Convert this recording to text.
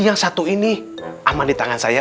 yang satu ini aman di tangan saya